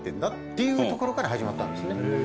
いうところから始まったんですね。